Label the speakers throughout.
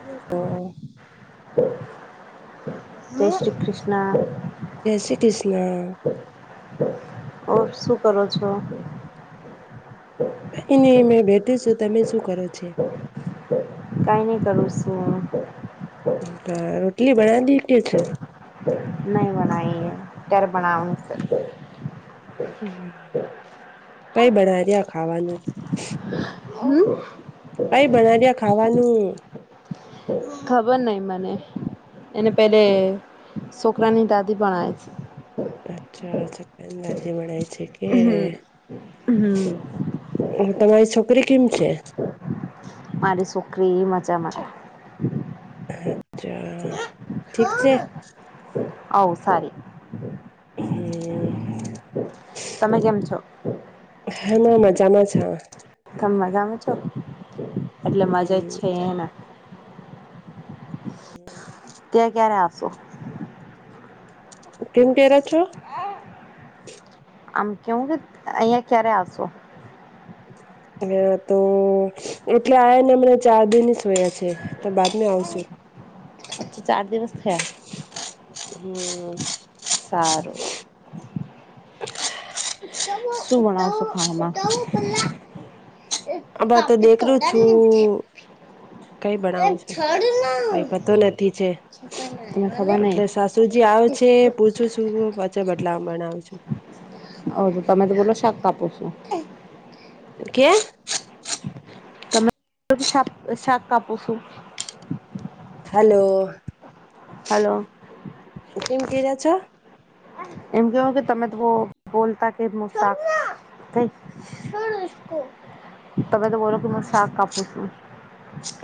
Speaker 1: [unintelligible]
Speaker 2: જય શ્રી કૃષ્ણ.
Speaker 1: જય શ્રી કૃષ્ણ.
Speaker 2: [unintelligible] શું કરો છો?
Speaker 1: એ મેં બેઠી સુ, તમે શું કરે છે?
Speaker 2: કાંઈ નઈ કરું સુ હુ.
Speaker 1: [inaudible] રોટલી બના દી કે છે?
Speaker 2: નહી બનાઈ એ તારે બનવાનું છે.
Speaker 1: હમ્મ, કઈ બના રહ્યા ખાવાનું.
Speaker 2: હમ્મ.
Speaker 1: કઈ બનાર્યા ખાવાનું?
Speaker 2: ખબર નઇ મને એને પેલે સોકરાની દાદી પણ આઈ સે
Speaker 1: [unintelligible] બણાઈ છે કે
Speaker 2: હમ હમ
Speaker 1: એમ તમારી છોકરી કેમ છે?
Speaker 2: મારી સોકરી મજામાં.
Speaker 1: અચ્છા ઠીક છે.
Speaker 2: અઉ સારી
Speaker 1: હમ્મ.
Speaker 2: તમે કેમ છો?
Speaker 1: હાં મે મજામાં છેઉ
Speaker 2: તમ મજામાં છો એટલે મજા જ
Speaker 1: હમ
Speaker 2: છે એમાં
Speaker 1: [inaudible]
Speaker 2: ત્યાં ક્યારે આવશો?
Speaker 1: કેમ પેરા છો
Speaker 2: આમ કેવું [unintelligible] અઈયા ક્યારે આવશો?
Speaker 1: [unintelligible] તો એટલે આયા ને મને ચાર દિન જ થયા છે તો બાદ મેં આવશુ
Speaker 2: ચાર દિન જ થયા
Speaker 1: હમ્મ.
Speaker 2: સારું. શું બનાવો છો ખાવામાં?
Speaker 1: આંબા તો દેખલુ છુ કંઈ
Speaker 2: તને
Speaker 1: બણાવ છે, કંઈ પતો નથી છે.
Speaker 2: ખબર નહિ
Speaker 1: અટલે સાસુજી આવ છે પૂછું છું [unintelligible] પાછા બટલામ બનાઉ છું
Speaker 2: અવે તો તમે તો [unintelligible] શાક કાપો છો
Speaker 1: કે
Speaker 2: તમે શાક શાક કાપુ સું
Speaker 1: હલો.
Speaker 2: હલો.
Speaker 1: કેમ કેરા છો
Speaker 2: એમ કેવો કે તમે તો બો બોલતા કેમ ન [inaudible] તંઈ તમે તો બોલો કે હું શાક કાપું છું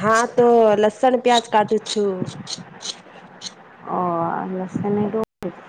Speaker 1: હા તો લસણ પ્યાજ કાટુ છું
Speaker 2: અ લસણ ને ડુંગળી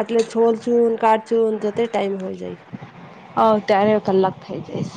Speaker 1: અટલે છોલ છું ન કાટ છું ન ત તે ટાઈમ વઈ જાય
Speaker 2: અવ ત્યારે કલાક થઈ જાય સ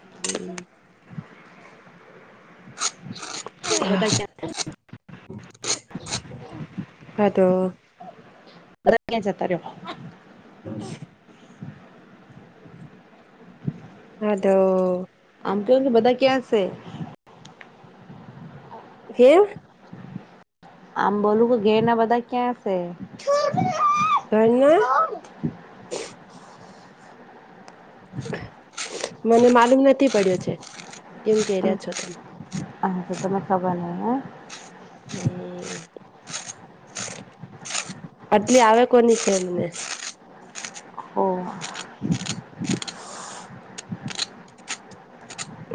Speaker 1: [inaudible]
Speaker 2: બધાય ક્યા [unintelligible]
Speaker 1: હા તો
Speaker 2: તરત ક્યાં જતા રયા [unintelligible]
Speaker 1: હા તો
Speaker 2: આમ [unintelligible] બધાય ક્યાં સે
Speaker 1: કેમ?
Speaker 2: આમ બોલું કે ઘેરના બધા ક્યાં સે?
Speaker 1: ઘરના મને માલુમ નથી પયડો છે કેમ કેઈ રા છો
Speaker 2: હા તો તમે ખબર નઈ હં
Speaker 1: હમ
Speaker 2: [inaudible]
Speaker 1: આટલી આવે કોની છે એમને
Speaker 2: ઓહ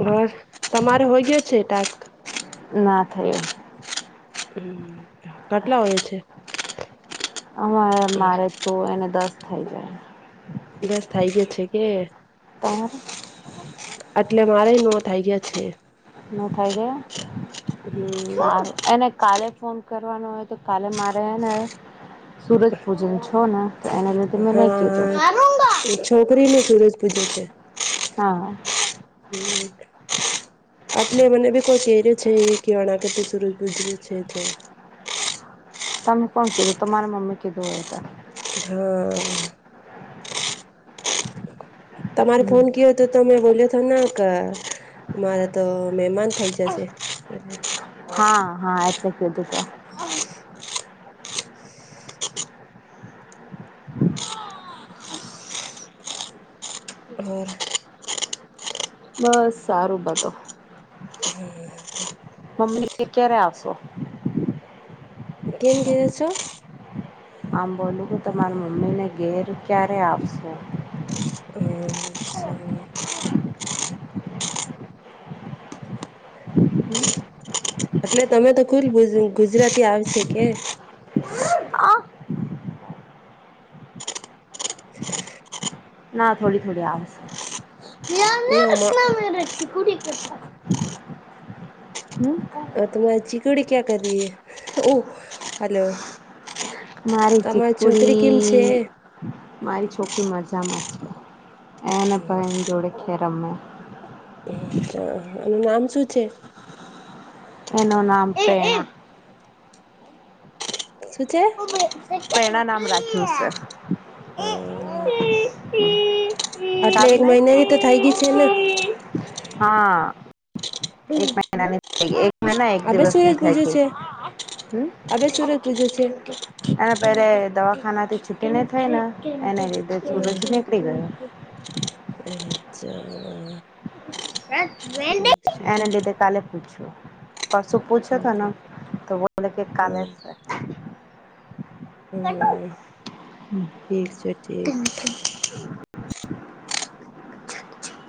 Speaker 1: હ તમારે હોય ગયો છે ટાસ્ક?
Speaker 2: ના થયો.
Speaker 1: કટલા હોય છે?
Speaker 2: હ મારે તો એને દસ થઇ જાય.
Speaker 1: બસ થઇ ગયો છે કે
Speaker 2: તમારે
Speaker 1: એટલે મારા ન થઇ ગયા છે.
Speaker 2: ન થાય
Speaker 1: હમ
Speaker 2: ગાય એને કાલે ફોન કરવાનું હોય તો કાલે મારે ને હે ને સુરજ પૂજન છો ને તો એના લીધે મેં નહી કીધું.
Speaker 1: [unintelligible] ની ભૂમિ પૂજન છે.
Speaker 2: હા.
Speaker 1: [inaudible] એટલે મને ભી કોઈ કેય રિયો છે અણા કે તો સુરજ પૂજન છે તો
Speaker 2: તમે કોણ કીધું તમારા મમ્મી કીધું હોય ત
Speaker 1: હા. તમારે ફોન કીઓ તો તમે બોલ્યો ના કર મારે તો મહેમાન થઇ જશે
Speaker 2: હા હા એટલે કીધું તો
Speaker 1: ઓર
Speaker 2: બસ સારું બધું. મમ્મી ક્યારે આવશે?
Speaker 1: કેમ કે છો?
Speaker 2: આમ બોલું હું તમારા મમ્મીને ઘેર ક્યારે આવશે
Speaker 1: [inaudible] એટલે તમે કીધું તું ગુજરાતી આવશે કે
Speaker 2: ના થોડી થોડી આવશે.
Speaker 1: ના
Speaker 2: હમ
Speaker 1: અ તો મારી ચિકુડી ક્યાં કર રહી હૈ? ઓહ હાલો.
Speaker 2: મારી
Speaker 1: છે
Speaker 2: ચીપકુડી મારી છોકરી મજામાં છે. એને ભાઈને જોડ ખે રમે.
Speaker 1: એનું નામ શું છે?
Speaker 2: એનો નામ સે
Speaker 1: સુું છેે?
Speaker 2: પ્રેરણા નામ રાખ્યું છે.
Speaker 1: હમ્મ.
Speaker 2: [inaudible] સારું ને?
Speaker 1: તો થઈ ગઈ છે ને
Speaker 2: હા એક મહિનાની થઈ ગઈ, એક મહિના એક
Speaker 1: આભે
Speaker 2: દિવસ ની
Speaker 1: સુરજ
Speaker 2: થઈ
Speaker 1: પૂજ્યું
Speaker 2: ગઈ.
Speaker 1: છે
Speaker 2: હમ્મ
Speaker 1: આભે સુરજ પૂજ્યું છે
Speaker 2: એના પરે દવા ખાના થી છૂટીને થઈ ને એના લીધે સૂરજ નીકળી ગયો.
Speaker 1: અચ્છા. ઠીક
Speaker 2: [inaudible] એને લીધે કાલે પૂછો? પરસુ પૂછો તો
Speaker 1: છે
Speaker 2: ને તો બો કે કાલે છે.
Speaker 1: હમ્મ ઠીક છે ઠીક.
Speaker 2: [inaudible]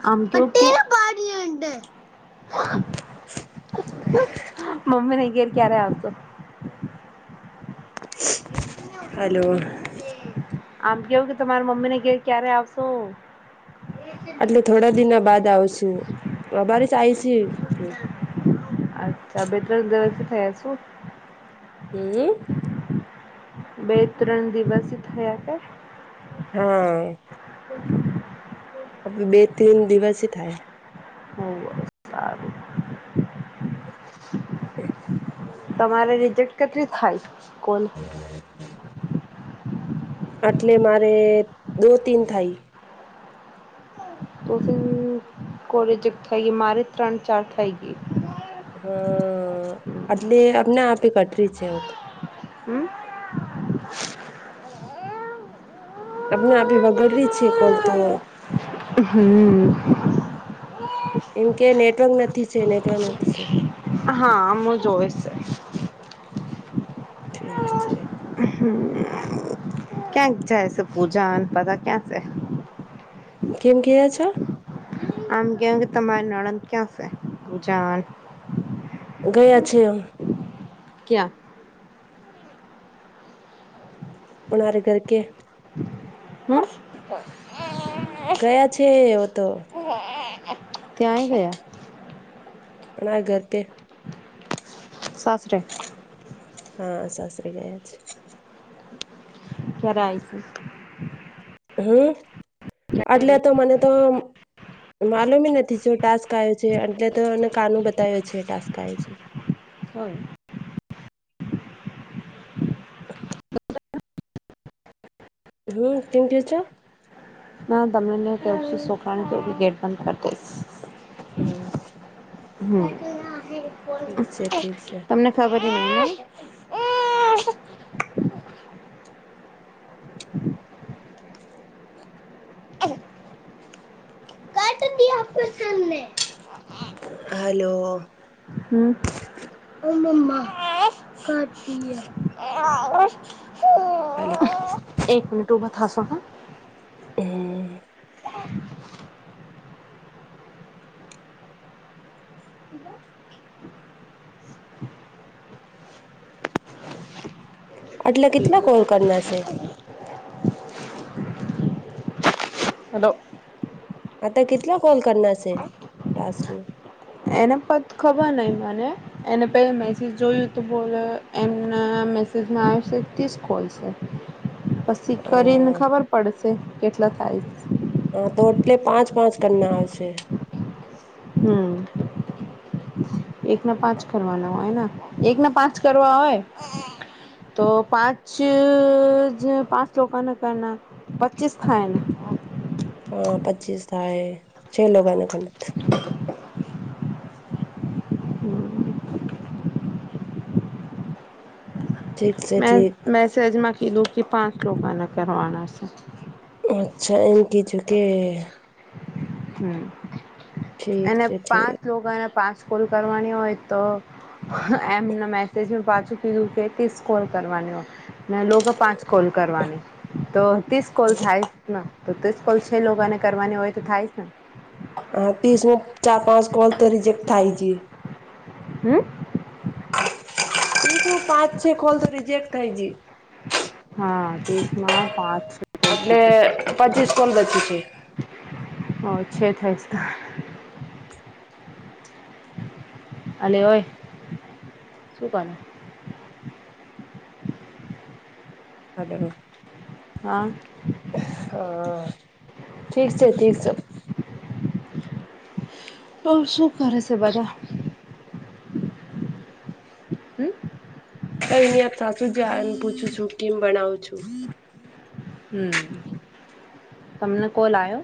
Speaker 2: આમ મમ્મી ને ઘેર ક્યારે આવતો?
Speaker 1: હલો.
Speaker 2: આમ કેવું કે તમારા મમ્મીને કે ક્યારે આવશો?
Speaker 1: એટલે થોડા દિના બાદ આવશુ. અ બરે જ આવી છે તું
Speaker 2: અચ્છા બે ત્રણ દિવસથી થયા છું.
Speaker 1: હમ્મ.
Speaker 2: બે ત્રણ દિવસ થયા તા.
Speaker 1: હા.
Speaker 2: [inaudible]
Speaker 1: અબે બે તેન દિવસ થાય.
Speaker 2: હો સારું. [inaudible]
Speaker 1: [inaudible]
Speaker 2: તમારે રિજેક્ટ કેટલી થાય? કોલ?
Speaker 1: એટલે મારે દો તીન થાય.
Speaker 2: તો તીન [unintelligible] થઈ ગઈ મારે ત્રણ ચાર થઇ ગઈ.
Speaker 1: હા એટલે અમને આપે કટરી છે તો
Speaker 2: હમ્મ [inaudible]
Speaker 1: અમને આપી વાગડરી છે કોલ તો.
Speaker 2: હમ્મ [inaudible]
Speaker 1: એમ કે નેટવર્ક નથી છે નેટવર્ક નથી છે.
Speaker 2: હા આમું જોઈશે.
Speaker 1: ઠી છે.
Speaker 2: હમ્મ ક્યાંક જાય છે પૂજા અને બધા ક્યાં છે?
Speaker 1: કેમ ગિયા છો?
Speaker 2: આમ કેવ કે તમારી નણંદ ક્યાં છે? [unintelligible]
Speaker 1: ગયા છે એમ
Speaker 2: ક્યાં?
Speaker 1: પનારે ઘર કે.
Speaker 2: હમ્મ [inaudible]
Speaker 1: ગયા છે વો તો.
Speaker 2: ત્યાંય ગયા.
Speaker 1: પણા ઘર કે.
Speaker 2: સાસરે.
Speaker 1: હા સાસરે ગયા છ.
Speaker 2: કયારાય આયીસી
Speaker 1: હમ્મ એટલે તો મને તો માલુમી નથી જો ટાસ્ક આયો છે. એટલે તો એને કાનું બતાયો છે. ટાસ્ક આયો છે.
Speaker 2: હન
Speaker 1: હમ્મ કેમ કે છો?
Speaker 2: ના તમને કહેશે સોખાણી તો [inaudible] ગેટ બંધ કરી દઈશ.
Speaker 1: હમ્મ.
Speaker 2: હમ
Speaker 1: છે
Speaker 2: તમને ખબર નહી એમ [unintelligible]
Speaker 1: [unintelligible]
Speaker 2: [unintelligible] તદી આપ શને.
Speaker 1: હલો
Speaker 2: હમ [unintelligible]
Speaker 1: હલો
Speaker 2: [unintelligible] એક મિનિટ ઊભા થાશો હન.
Speaker 1: હમ એટલે કેટલા કોલ કરના છે?
Speaker 2: હલો.
Speaker 1: અતા કેટલા કોલ કરના શે. ટાસ્કમે?
Speaker 2: એને પત ખબર નઈ મને. એને પે મેસેજ જોયું તો બોલો એમને મેસેજમાં આવ શે તીસ કોલ શે. પછી
Speaker 1: હ
Speaker 2: કરીને ખબર પડશે કેટલા થાય.
Speaker 1: હ તો એટલે પાંચ-પાંચ કરના આવશે.
Speaker 2: હમ એકના પાંચ કરવાના હોય ને એક ના પાંચ કરવા હોય તો પાંચ અ જે પાંચ લોકાને કરના પચીસ
Speaker 1: હ
Speaker 2: થાય ને
Speaker 1: હન પચીસ થાય છે. લોકોને ખડ ઠીક છે
Speaker 2: મે
Speaker 1: ઠીક
Speaker 2: મેસજમા કીધુ કે પાંચ લોકોને કરવાના છે.
Speaker 1: અચ્છા એમ કીધુ કે
Speaker 2: હ
Speaker 1: ઠીક
Speaker 2: અને
Speaker 1: છે
Speaker 2: પાંચ
Speaker 1: ઠીક
Speaker 2: લોકો અને પાચ કુલ કરવાની હોય તો હઅ એમના મેસેજ મે પાછું કીધું કે કોલ કરવાનો ને લોકો પાંચ કોલ કરવાની તો ત્રીસ કોલ થાય ને તો ત્રીસ કોલ છે લોકોને કરવાની હોય તો થાય જ ને.
Speaker 1: હા ત્રીસો ચાર-પાંચ કોલ તો રિજેક્ટ થાય છે.
Speaker 2: હમ
Speaker 1: ક્યુ પાચ-છ કોલ તો રિજેક્ટ થાયજી.
Speaker 2: હા તીસના પાંચ કોલ
Speaker 1: એટલે પચીસ કોલ બચી છે.
Speaker 2: ઓ છે. થાય છે. અલે ઓય શું કનું.
Speaker 1: હલો.
Speaker 2: હા
Speaker 1: હા ઠીક છે. ઠીક છે.
Speaker 2: તો શું કરે છે બધા? હમ
Speaker 1: કયા સાચું જાન પૂછું છું. કેમ બનાવું છું.
Speaker 2: હમ તમને કોલ આયો?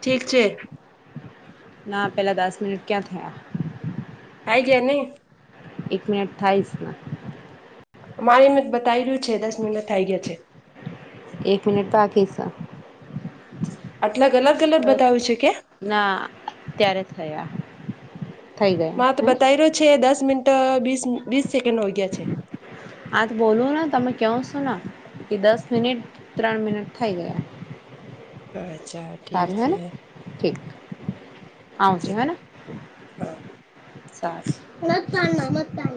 Speaker 1: ઠીક છે.
Speaker 2: ના પેલા દસ મિનિટ ક્યાં થયા.
Speaker 1: આ ગયા ન
Speaker 2: અઠ્ઠઇસ નાખ
Speaker 1: અમારેમ બતાવી રહ્યું છે દસ મિના થઇ ગયા છે.
Speaker 2: એક મિનટ બાકી સર.
Speaker 1: આટલા ગલત ગલત બતાવ્યું છે કે
Speaker 2: ના અત્યારે થયા. થઈ ગયા
Speaker 1: તો
Speaker 2: હમ
Speaker 1: બતાવી રહ્યો છે દસ મિનટીસીસ.
Speaker 2: આ તો બોલું ને તમે કવ છો. એ દસ મિનિટ ત્રણ મિનિટ થઇ ગયા.
Speaker 1: અચ્છા ઠીક
Speaker 2: સારધર
Speaker 1: છે
Speaker 2: ઠીક
Speaker 1: ઠીક છે
Speaker 2: આવજું હે
Speaker 1: હા
Speaker 2: સાર.